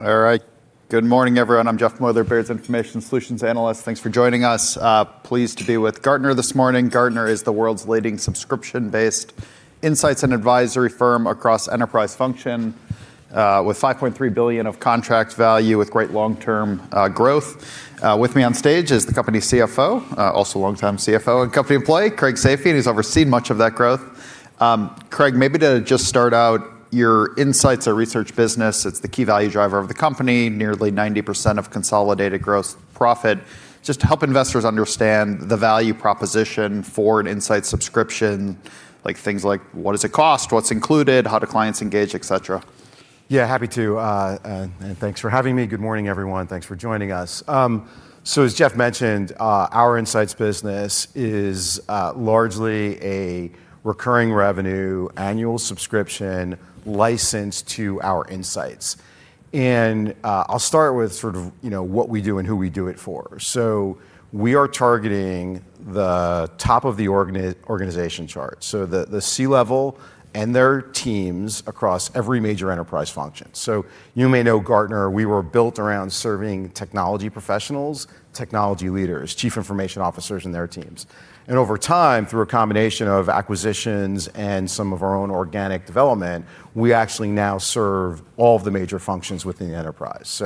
All right. Good morning, everyone. I'm Jeff Meuler, Baird's Information Solutions Analyst. Thanks for joining us. Pleased to be with Gartner this morning. Gartner is the world's leading subscription-based Insights and advisory firm across enterprise function, with $5.3 billion of Contract Value, with great long-term growth. With me on stage is the company CFO, also longtime CFO and company employee, Craig Safian. He's overseen much of that growth. Craig, maybe to just start out, your Insights or Research business, it's the key value driver of the company, nearly 90% of consolidated gross profit. Just to help investors understand the value proposition for an Insights subscription, things like what does it cost, what's included, how do clients engage, et cetera. Yeah, happy to. Thanks for having me. Good morning, everyone. Thanks for joining us. As Jeff mentioned, our Insights business is largely a recurring revenue annual subscription license to our Insights. I'll start with what we do and who we do it for. We are targeting the top of the organization chart, so the C-level and their teams across every major enterprise function. You may know Gartner, we were built around serving technology professionals, technology leaders, chief information officers, and their teams. Over time, through a combination of acquisitions and some of our own organic development, we actually now serve all of the major functions within the enterprise.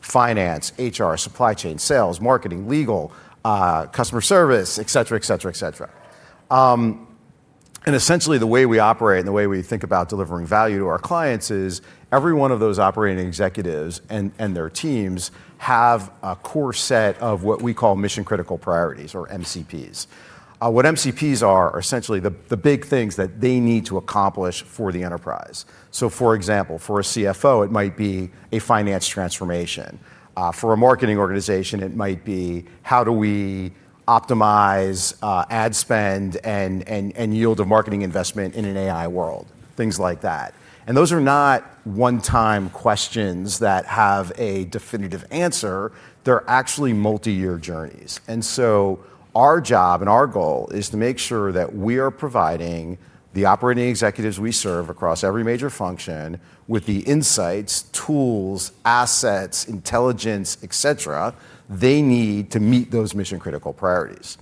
Finance, HR, supply chain, sales, marketing, legal, customer service, et cetera, et cetera, et cetera. Essentially, the way we operate and the way we think about delivering value to our clients is every one of those operating executives and their teams have a core set of what we call Mission-Critical Priorities, or MCPs. What MCPs are essentially the big things that they need to accomplish for the enterprise. For example, for a CFO, it might be a finance transformation. For a marketing organization, it might be how do we optimize ad spend and yield of marketing investment in an AI world, things like that. Those are not one-time questions that have a definitive answer. They're actually multi-year journeys. Our job and our goal is to make sure that we are providing the operating executives we serve across every major function with the insights, tools, assets, intelligence, et cetera, they need to meet those Mission-Critical Priorities.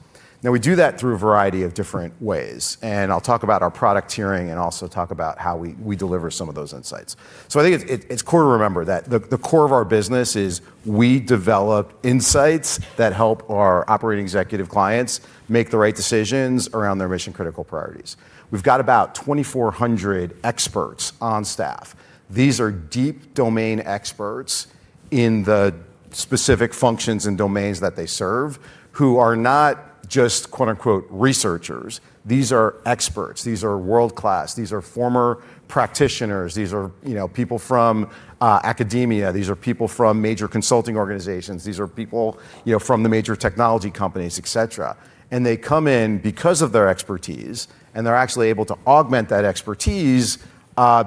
We do that through a variety of different ways, and I'll talk about our product tiering and also talk about how we deliver some of those Insights. I think it's core to remember that the core of our business is we develop Insights that help our operating executive clients make the right decisions around their Mission-Critical Priorities. We've got about 2,400 experts on staff. These are deep domain experts in the specific functions and domains that they serve, who are not just, quote-unquote, "researchers." These are experts. These are world-class. These are former practitioners. These are people from academia. These are people from major Consulting organizations. These are people from the major technology companies, et cetera. They come in because of their expertise, and they're actually able to augment that expertise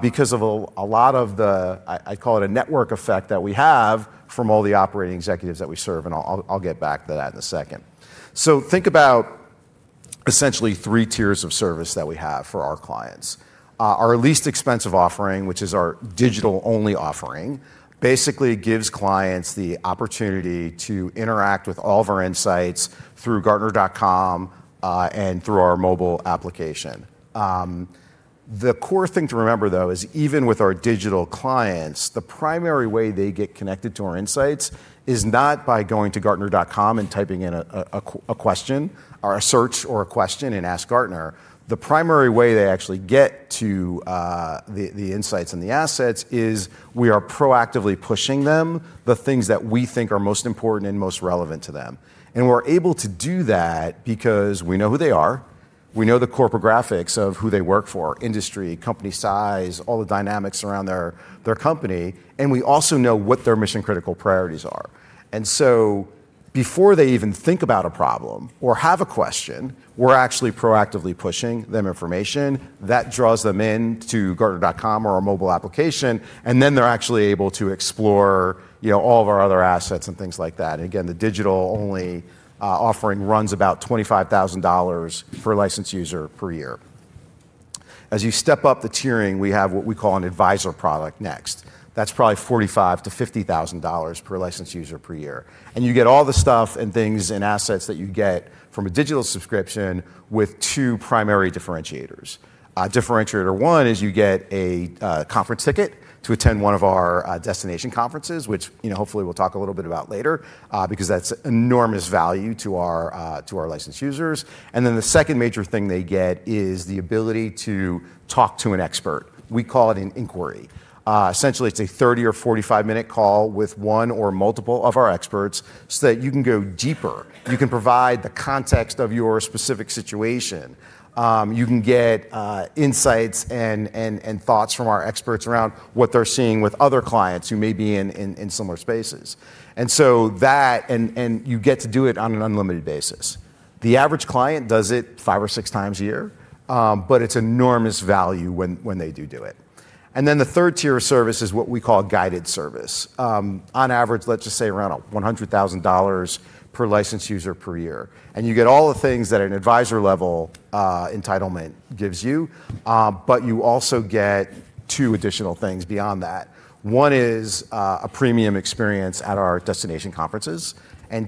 because of a lot of the, I call it a network effect that we have from all the operating executives that we serve, and I'll get back to that in a second. Think about essentially three tiers of service that we have for our clients. Our least expensive offering, which is our digital-only offering, basically gives clients the opportunity to interact with all of our Insights through gartner.com, and through our mobile application. The core thing to remember, though, is even with our digital clients, the primary way they get connected to our Insights is not by going to gartner.com and typing in a question or a search or a question in AskGartner. The primary way they actually get to the insights and the assets is we are proactively pushing them the things that we think are most important and most relevant to them. We're able to do that because we know who they are, we know the corpographics of who they work for, industry, company size, all the dynamics around their company, and we also know what their Mission-Critical Priorities are. Before they even think about a problem or have a question, we're actually proactively pushing them information that draws them in to gartner.com or our mobile application, and then they're actually able to explore all of our other assets and things like that. Again, the digital-only offering runs about $25,000 per licensed user per year. As you step up the tiering, we have what we call an advisor product next. That's probably $45,000-$50,000 per licensed user per year. You get all the stuff and things and assets that you get from a digital subscription with two primary differentiators. Differentiator one is you get a conference ticket to attend one of our destination Conferences, which hopefully we'll talk a little bit about later, because that's enormous value to our licensed users. The second major thing they get is the ability to talk to an expert. We call it an inquiry. Essentially, it's a 30 or 45-minute call with one or multiple of our experts so that you can go deeper. You can provide the context of your specific situation. You can get Insights and thoughts from our experts around what they're seeing with other clients who may be in similar spaces. You get to do it on an unlimited basis. The average client does it five or six times a year, it's enormous value when they do it. The third tier of service is what we call guided service. On average, let's just say around $100,000 per licensed user per year. You get all the things that an advisor-level entitlement gives you also get two additional things beyond that. One is a premium experience at our destination conferences,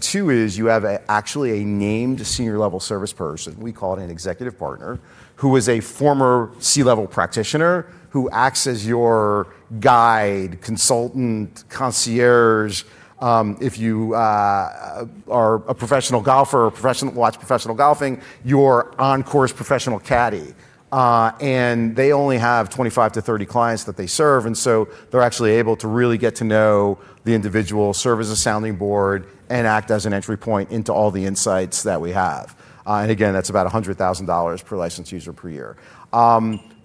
two is you have actually a named senior-level service person, we call it an executive partner, who is a former C-level practitioner who acts as your guide, consultant, concierge, if you are a professional golfer or watch professional golfing, your on-course professional caddy. They only have 25-30 clients that they serve, and so they're actually able to really get to know the individual, serve as a sounding board, and act as an entry point into all the insights that we have. Again, that's about $100,000 per licensed user per year.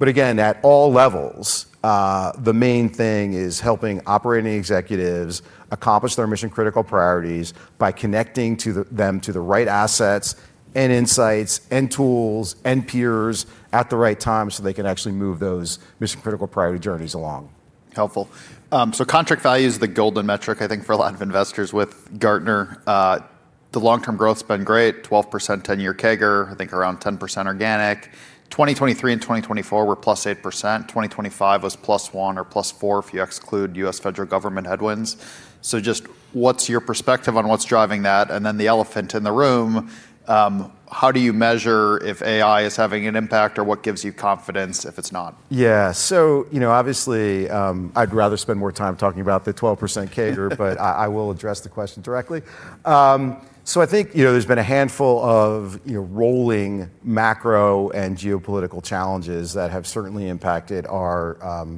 Again, at all levels, the main thing is helping operating executives accomplish their Mission-Critical Priorities by connecting them to the right assets and insights and tools and peers at the right time so they can actually move those Mission-Critical Priority journeys along. Helpful. Contract Value is the golden metric, I think, for a lot of investors with Gartner. The long-term growth's been great, 12% 10-year CAGR, I think around 10% organic. 2023 and 2024 were +8%. 2025 was +1% or +4% if you exclude U.S. federal government headwinds. Just what's your perspective on what's driving that? The elephant in the room, how do you measure if AI is having an impact, or what gives you confidence if it's not? Obviously, I'd rather spend more time talking about the 12% CAGR. I will address the question directly. I think there's been a handful of rolling macro and geopolitical challenges that have certainly impacted our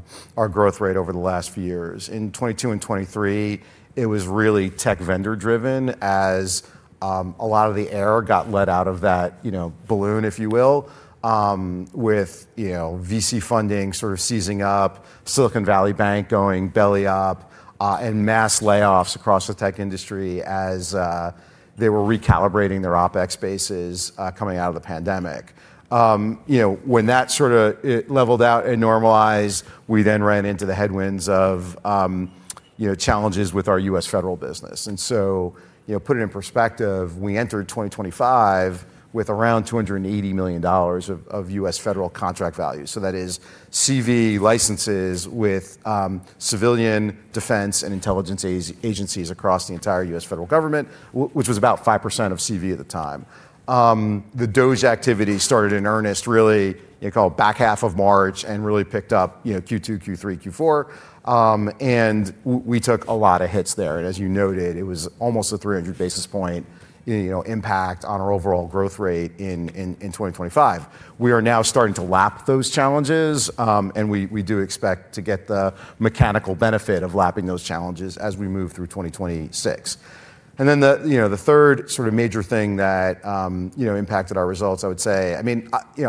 growth rate over the last few years. In 2022 and 2023, it was really tech vendor driven as a lot of the air got let out of that balloon, if you will, with VC funding sort of seizing up, Silicon Valley Bank going belly up, and mass layoffs across the tech industry as they were recalibrating their OpEx bases coming out of the pandemic. When that sort of leveled out and normalized, we then ran into the headwinds of challenges with our U.S. federal business. Put it in perspective, we entered 2025 with around $280 million of U.S. federal Contract Value. That is CV licenses with civilian defense and intelligence agencies across the entire U.S. federal government, which was about 5% of CV at the time. The DOGE activity started in earnest, really, call it back half of March and really picked up Q2, Q3, Q4, and we took a lot of hits there. As you noted, it was almost a 300 basis point impact on our overall growth rate in 2025. We are now starting to lap those challenges, and we do expect to get the mechanical benefit of lapping those challenges as we move through 2026. Then the third sort of major thing that impacted our results, I would say,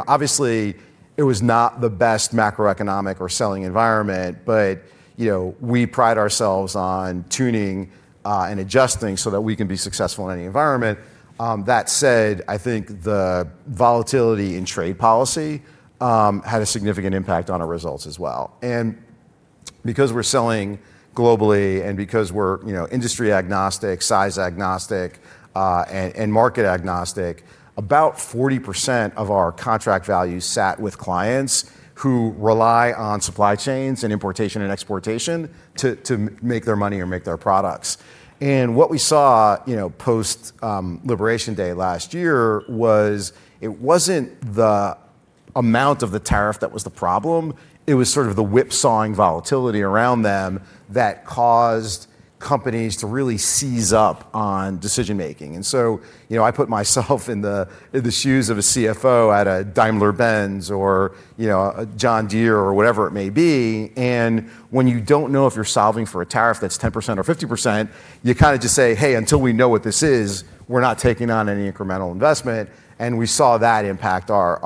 obviously, it was not the best macroeconomic or selling environment, but we pride ourselves on tuning and adjusting so that we can be successful in any environment. That said, I think the volatility in trade policy had a significant impact on our results as well. Because we're selling globally and because we're industry agnostic, size agnostic, and market agnostic, about 40% of our Contract Value sat with clients who rely on supply chains and importation and exportation to make their money or make their products. What we saw post Liberation Day last year was it wasn't the amount of the tariff that was the problem, it was sort of the whipsawing volatility around them that caused companies to really seize up on decision-making. I put myself in the shoes of a CFO at a Daimler-Benz or a John Deere or whatever it may be, and when you don't know if you're solving for a tariff that's 10% or 50%, you kind of just say, "Hey, until we know what this is, we're not taking on any incremental investment." We saw that impact our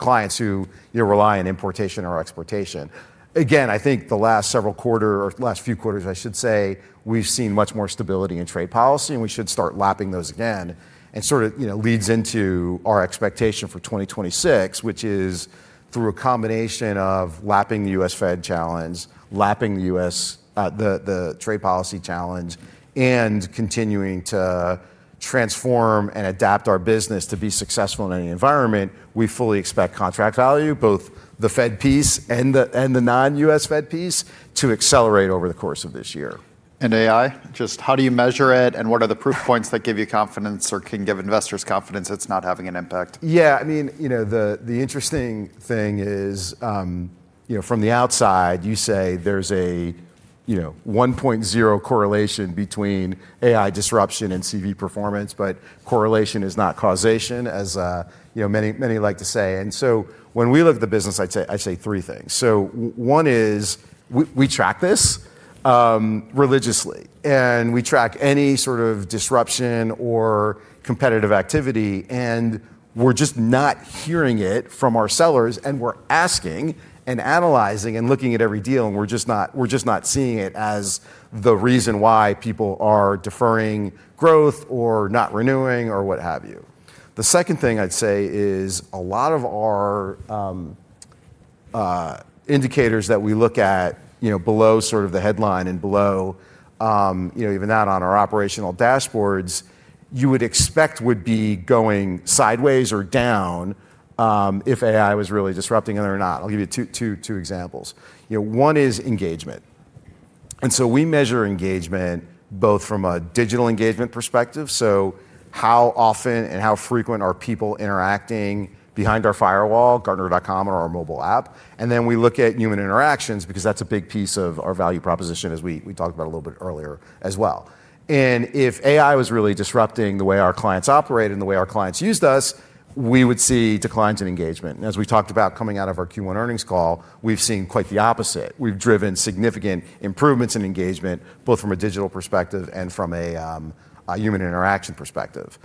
clients who rely on importation or exportation. I think the last several quarter or last few quarters, I should say, we've seen much more stability in trade policy, and we should start lapping those again. Sort of leads into our expectation for 2026, which is through a combination of lapping the U.S. Fed challenge, lapping the trade policy challenge, and continuing to transform and adapt our business to be successful in any environment, we fully expect Contract Value, both the Fed piece and the non-U.S. Fed piece, to accelerate over the course of this year. AI? Just how do you measure it, and what are the proof points that give you confidence or can give investors confidence it's not having an impact? Yeah. The interesting thing is, from the outside, you say there's a 1.0 correlation between AI disruption and CV performance. Correlation is not causation, as many like to say. When we look at the business, I'd say three things. One is we track this religiously. We track any sort of disruption or competitive activity. We're just not hearing it from our sellers. We're asking and analyzing and looking at every deal. We're just not seeing it as the reason why people are deferring growth or not renewing or what have you. The second thing I'd say is a lot of our indicators that we look at below sort of the headline and below even that on our operational dashboards, you would expect would be going sideways or down if AI was really disrupting it or not. I'll give you two examples. One is engagement. We measure engagement both from a digital engagement perspective, so how often and how frequent are people interacting behind our firewall, gartner.com or our mobile app? We look at human interactions because that's a big piece of our value proposition as we talked about a little bit earlier as well. If AI was really disrupting the way our clients operate and the way our clients used us, we would see declines in engagement. As we talked about coming out of our Q1 earnings call, we've seen quite the opposite. We've driven significant improvements in engagement, both from a digital perspective and from a human interaction perspective.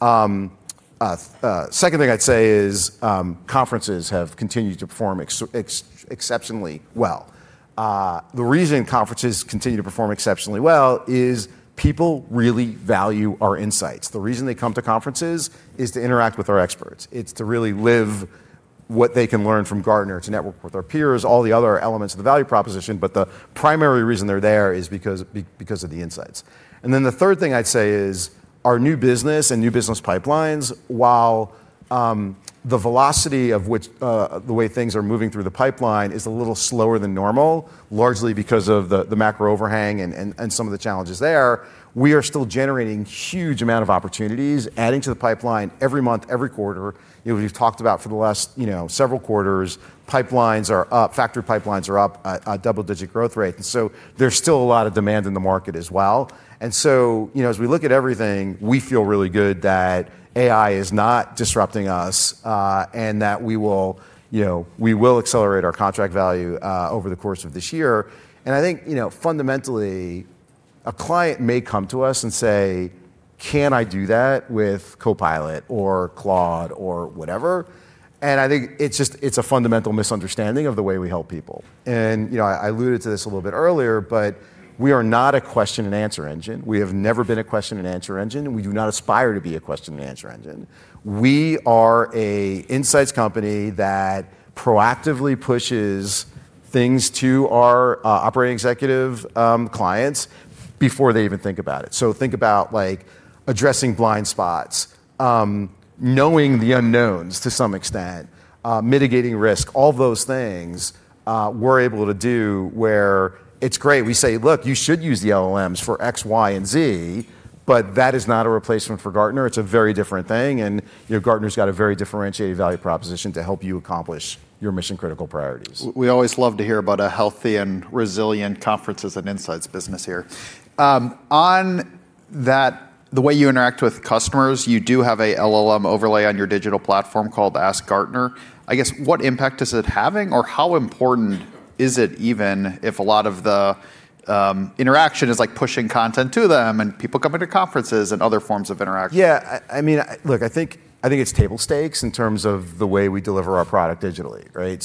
Second thing I'd say is Conferences have continued to perform exceptionally well. The reason Conferences continue to perform exceptionally well is people really value our Insights. The reason they come to Conferences is to interact with our experts. It's to really live what they can learn from Gartner, to network with our peers, all the other elements of the value proposition, but the primary reason they're there is because of the Insights. The third thing I'd say is our new business and new business pipelines, while the velocity of the way things are moving through the pipeline is a little slower than normal, largely because of the macro overhang and some of the challenges there, we are still generating huge amount of opportunities, adding to the pipeline every month, every quarter. We've talked about for the last several quarters, factory pipelines are up at a double-digit growth rate. There's still a lot of demand in the market as well. As we look at everything, we feel really good that AI is not disrupting us, and that we will accelerate our Contract Value over the course of this year. I think, fundamentally, a client may come to us and say, "Can I do that with Copilot or Claude or whatever?", and I think it's a fundamental misunderstanding of the way we help people. I alluded to this a little bit earlier, but we are not a question-and-answer engine. We have never been a question-and-answer engine, and we do not aspire to be a question-and-answer engine. We are a Insights company that proactively pushes things to our operating executive clients before they even think about it. Think about addressing blind spots, knowing the unknowns to some extent, mitigating risk. All those things we're able to do where it's great. We say, "Look, you should use the LLMs for X, Y, and Z, but that is not a replacement for Gartner. It's a very different thing, and Gartner's got a very differentiated value proposition to help you accomplish your Mission-Critical Priorities. We always love to hear about a healthy and resilient Conferences and Insights business here. The way you interact with customers, you do have a LLM overlay on your digital platform called AskGartner. What impact is it having, or how important is it even if a lot of the interaction is pushing content to them and people coming to Conferences and other forms of interaction? Yeah. Look, I think it's table stakes in terms of the way we deliver our product digitally, right?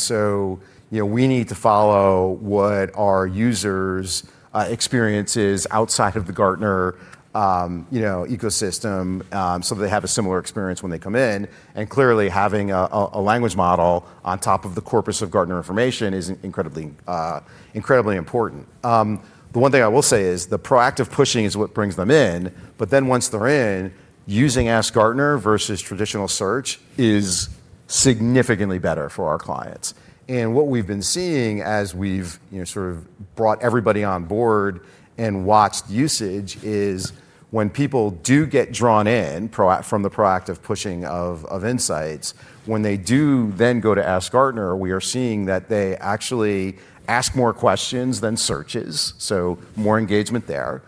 We need to follow what our users' experience is outside of the Gartner ecosystem, so they have a similar experience when they come in. Clearly, having a language model on top of the corpus of Gartner information is incredibly important. The one thing I will say is the proactive pushing is what brings them in. Once they're in, using AskGartner versus traditional search is significantly better for our clients. What we've been seeing as we've sort of brought everybody on board and watched usage is when people do get drawn in from the proactive pushing of Insights, when they do then go to AskGartner, we are seeing that they actually ask more questions than searches, so more engagement there.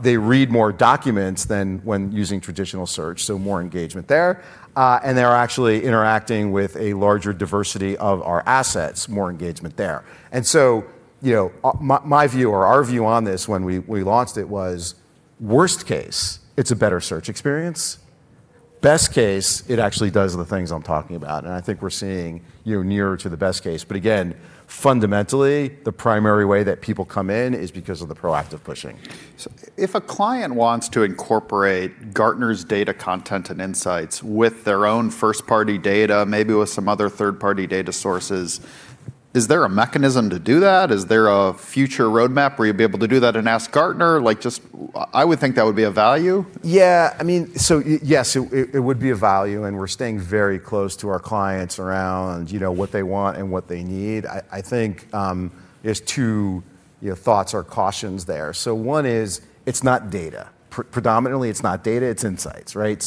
They read more documents than when using traditional search, more engagement there. They're actually interacting with a larger diversity of our assets, more engagement there. My view or our view on this when we launched it was, worst case, it's a better search experience. Best case, it actually does the things I'm talking about. I think we're seeing nearer to the best case. Again, fundamentally, the primary way that people come in is because of the proactive pushing. If a client wants to incorporate Gartner's data content and Insights with their own first-party data, maybe with some other third-party data sources, is there a mechanism to do that? Is there a future roadmap where you'd be able to do that in AskGartner? I would think that would be of value. Yeah. Yes, it would be of value, and we're staying very close to our clients around what they want and what they need. I think there's two thoughts or cautions there. One is, it's not data. Predominantly, it's not data, it's insights, right?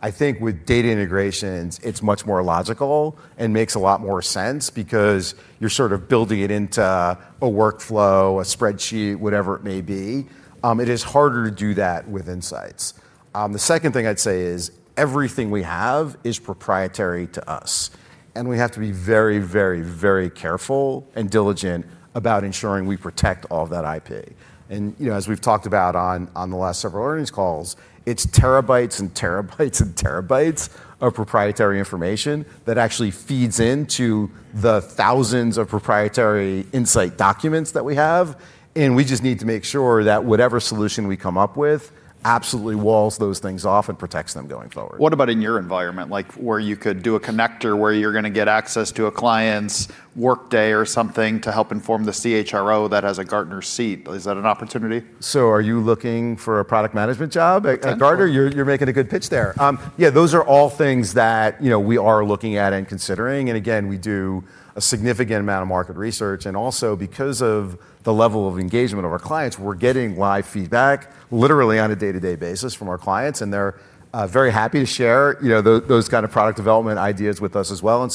I think with data integrations, it's much more logical and makes a lot more sense because you're sort of building it into a workflow, a spreadsheet, whatever it may be. It is harder to do that with Insights. The second thing I'd say is everything we have is proprietary to us, and we have to be very careful and diligent about ensuring we protect all that IP. As we've talked about on the last several earnings calls, it's terabytes and terabytes and terabytes of proprietary information that actually feeds into the thousands of proprietary insight documents that we have. We just need to make sure that whatever solution we come up with absolutely walls those things off and protects them going forward. What about in your environment, like where you could do a connector where you're going to get access to a client's Workday or something to help inform the CHRO that has a Gartner seat? Is that an opportunity? Are you looking for a product management job at Gartner? Potentially. You're making a good pitch there. Yeah, those are all things that we are looking at and considering. Again, we do a significant amount of market research, also because of the level of engagement of our clients, we're getting live feedback literally on a day-to-day basis from our clients, they're very happy to share those kind of product development ideas with us as well.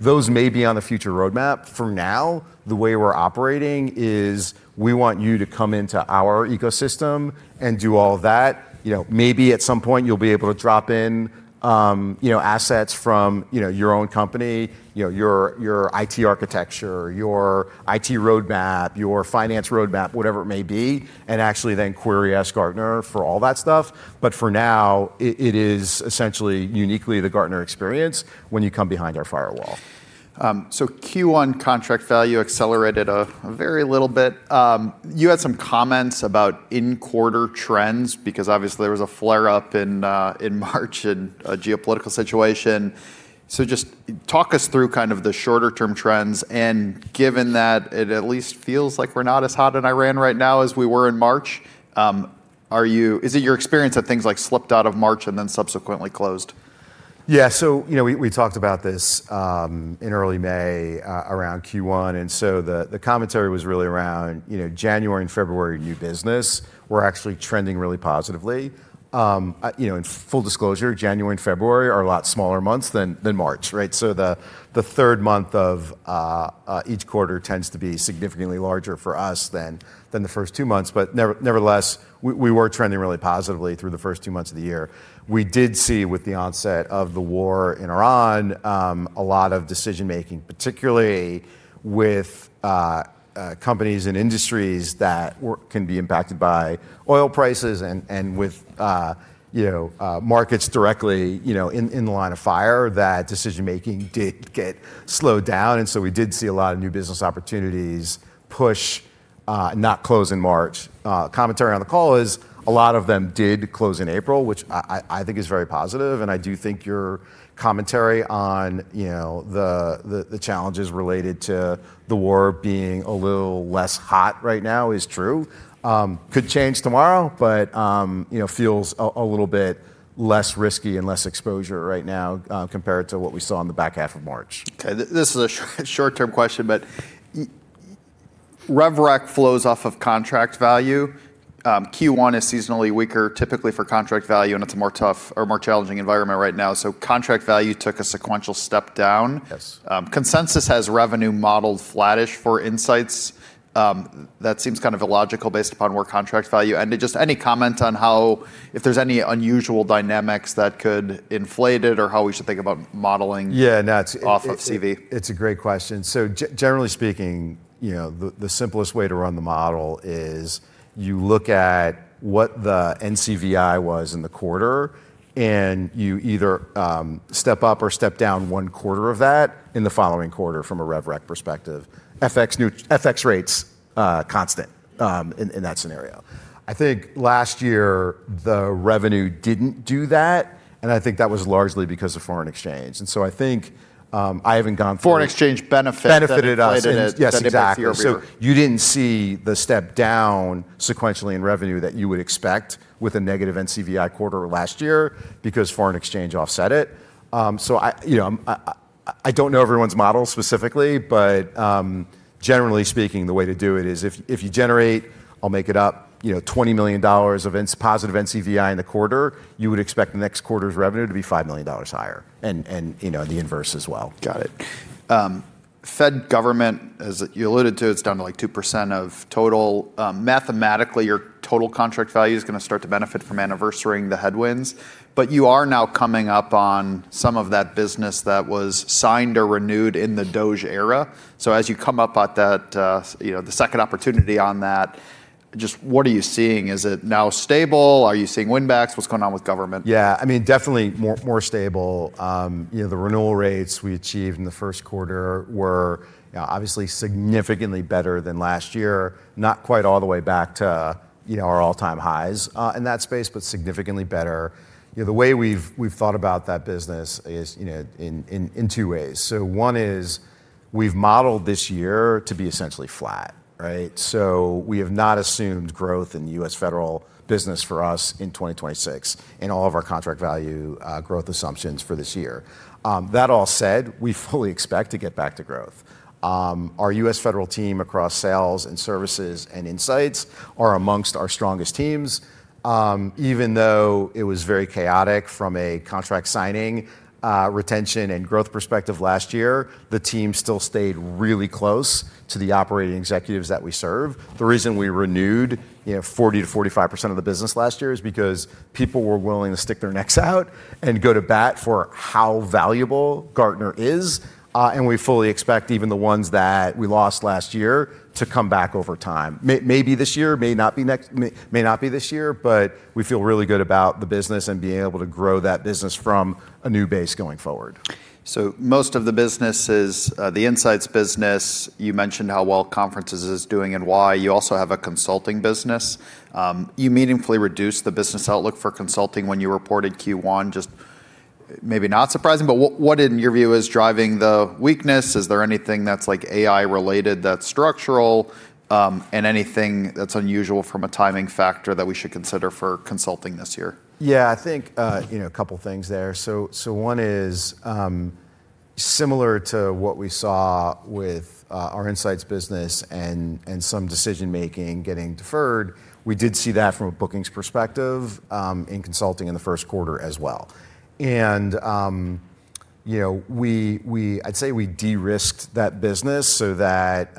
Those may be on the future roadmap. For now, the way we're operating is we want you to come into our ecosystem and do all that. Maybe at some point you'll be able to drop in assets from your own company, your IT architecture, your IT roadmap, your finance roadmap, whatever it may be, actually then query AskGartner for all that stuff. For now, it is essentially uniquely the Gartner experience when you come behind our firewall. Q1 Contract Value accelerated a very little bit. You had some comments about in-quarter trends, because obviously there was a flare-up in March in a geopolitical situation. Just talk us through the shorter-term trends and given that it at least feels like we're not as hot in Iran right now as we were in March, is it your experience that things slipped out of March and then subsequently closed? Yeah. We talked about this in early May, around Q1, the commentary was really around January and February new business were actually trending really positively. Full disclosure, January and February are a lot smaller months than March, right? The third month of each quarter tends to be significantly larger for us than the first two months. Nevertheless, we were trending really positively through the first two months of the year. We did see, with the onset of the war in Iran, a lot of decision-making, particularly with companies and industries that can be impacted by oil prices and with markets directly in the line of fire, that decision-making did get slowed down. We did see a lot of new business opportunities push, not close in March. Commentary on the call is a lot of them did close in April, which I think is very positive. I do think your commentary on the challenges related to the war being a little less hot right now is true. Could change tomorrow, feels a little bit less risky and less exposure right now, compared to what we saw in the back half of March. Okay. This is a short-term question, but rev rec flows off of Contract Value. Q1 is seasonally weaker, typically, for Contract Value, and it's a more tough or more challenging environment right now. Contract Value took a sequential step down. Yes. Consensus has revenue modeled flattish for Insights. That seems kind of illogical based upon more Contract Value. Just any comment on if there's any unusual dynamics that could inflate it or how we should think about modeling? Yeah, no. off of CV? It's a great question. Generally speaking, the simplest way to run the model is you look at what the NCVI was in the quarter, and you either step up or step down one quarter of that in the following quarter from a rev rec perspective. FX rates constant in that scenario. I think last year the revenue didn't do that, and I think that was largely because of foreign exchange. I think, I haven't gone through. Foreign exchange benefit, Benefited us. played into- Yes, exactly. the bigger figure. You didn't see the step down sequentially in revenue that you would expect with a negative NCVI quarter last year because foreign exchange offset it. I don't know everyone's model specifically, but generally speaking, the way to do it is if you generate, I'll make it up, $20 million of positive NCVI in the quarter, you would expect the next quarter's revenue to be $5 million higher. The inverse as well. Got it. Fed government, as you alluded to, it's down to like 2% of total. Mathematically, your total Contract Value is going to start to benefit from anniversarying the headwinds. You are now coming up on some of that business that was signed or renewed in the DOGE era. As you come up at the second opportunity on that, just what are you seeing? Is it now stable? Are you seeing win backs? What's going on with government? Yeah, definitely more stable. The renewal rates we achieved in the first quarter were obviously significantly better than last year. Not quite all the way back to our all-time highs in that space, but significantly better. The way we've thought about that business is in two ways. One is we've modeled this year to be essentially flat, right? We have not assumed growth in the U.S. federal business for us in 2026 in all of our Contract Value growth assumptions for this year. That all said, we fully expect to get back to growth. Our U.S. federal team across sales and services and Insights are amongst our strongest teams. Even though it was very chaotic from a contract signing, retention, and growth perspective last year, the team still stayed really close to the operating executives that we serve. The reason we renewed 40%-45% of the business last year is because people were willing to stick their necks out and go to bat for how valuable Gartner is. We fully expect even the ones that we lost last year to come back over time. Maybe this year, may not be this year, but we feel really good about the business and being able to grow that business from a new base going forward. Most of the business is the Insights business. You mentioned how well Conferences is doing and why. You also have a Consulting business. You meaningfully reduced the business outlook for Consulting when you reported Q1. Maybe not surprising, but what in your view is driving the weakness? Is there anything that's AI related that's structural? Anything that's unusual from a timing factor that we should consider for Consulting this year? Yeah. I think a couple of things there. One is, similar to what we saw with our Insights business and some decision-making getting deferred, we did see that from a bookings perspective in Consulting in the first quarter as well. I'd say we de-risked that business so that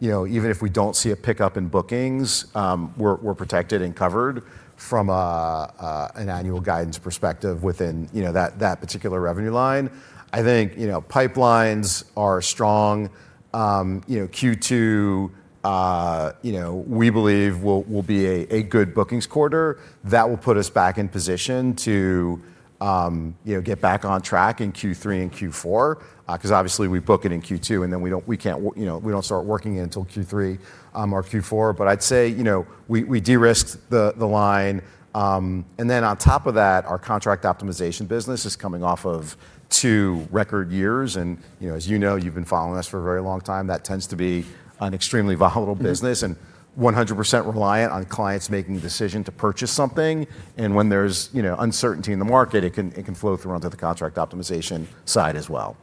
even if we don't see a pickup in bookings, we're protected and covered from an annual guidance perspective within that particular revenue line. I think pipelines are strong. Q2, we believe will be a good bookings quarter. That will put us back in position to get back on track in Q3 and Q4, because obviously we book it in Q2, and then we don't start working it until Q3 or Q4. I'd say, we de-risked the line. On top of that, our Contract Optimization business is coming off of two record years. As you know, you've been following us for a very long time, that tends to be an extremely volatile business, and 100% reliant on clients making the decision to purchase something. When there's uncertainty in the market, it can flow through onto the Contract Optimization side as well.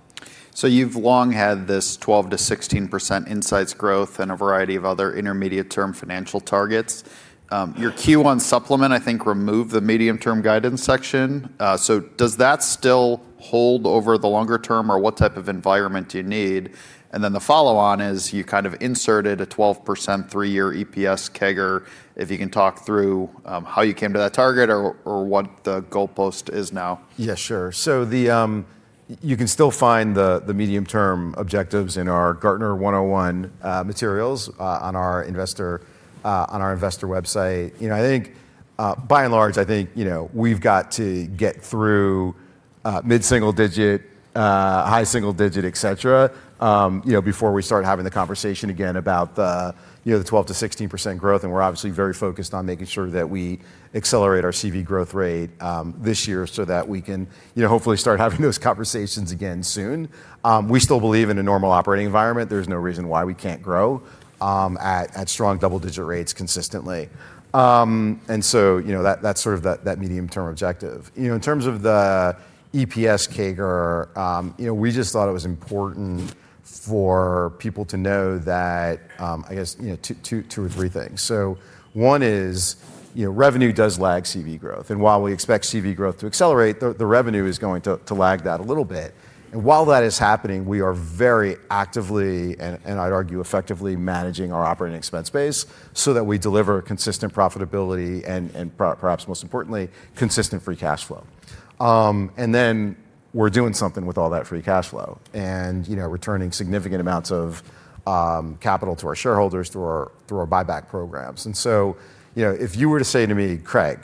You've long had this 12%-16% Insights growth and a variety of other intermediate term financial targets. Your Q1 supplement, I think, removed the medium-term guidance section. Does that still hold over the longer term? What type of environment do you need? The follow-on is you kind of inserted a 12% three-year EPS CAGR. If you can talk through how you came to that target or what the goalpost is now. Yeah, sure. You can still find the medium-term objectives in our Gartner 101 materials on our investor website. By and large, I think we've got to get through mid-single digit, high single digit, et cetera, before we start having the conversation again about the 12%-16% growth, and we're obviously very focused on making sure that we accelerate our CV growth rate this year so that we can hopefully start having those conversations again soon. We still believe in a normal operating environment. There's no reason why we can't grow at strong double-digit rates consistently. That's sort of that medium-term objective. In terms of the EPS CAGR, we just thought it was important for people to know that, I guess, two or three things. One is, revenue does lag CV growth. While we expect CV growth to accelerate, the revenue is going to lag that a little bit. While that is happening, we are very actively, and I'd argue, effectively managing our operating expense base so that we deliver consistent profitability and perhaps most importantly, consistent free cash flow. We're doing something with all that free cash flow and returning significant amounts of capital to our shareholders through our buyback programs. If you were to say to me, "Craig,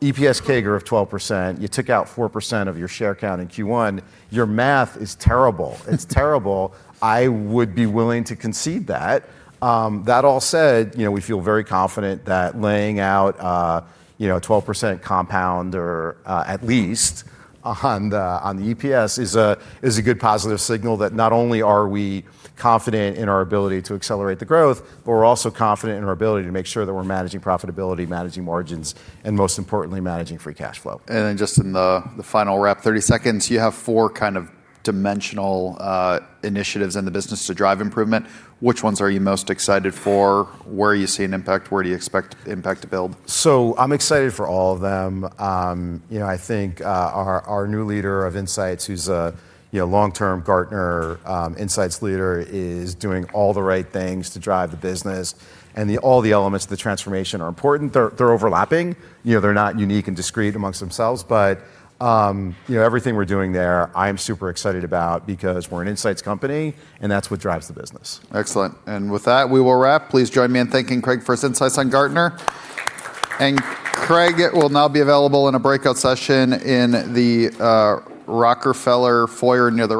EPS CAGR of 12%, you took out 4% of your share count in Q1. Your math is terrible. It's terrible," I would be willing to concede that. That all said, we feel very confident that laying out a 12% compound or at least on the EPS is a good positive signal that not only are we confident in our ability to accelerate the growth, but we're also confident in our ability to make sure that we're managing profitability, managing margins, and most importantly, managing free cash flow. Just in the final wrap, 30 seconds, you have four kind of dimensional initiatives in the business to drive improvement. Which ones are you most excited for? Where do you see an impact? Where do you expect impact to build? I'm excited for all of them. I think our new leader of Insights who's a long-term Gartner Insights leader, is doing all the right things to drive the business. All the elements of the transformation are important. They're overlapping. They're not unique and discrete amongst themselves. Everything we're doing there, I am super excited about because we're an Insights company, and that's what drives the business. Excellent. With that, we will wrap. Please join me in thanking Craig for his Insights on Gartner. Craig will now be available in a breakout session in the Rockefeller Foyer near the.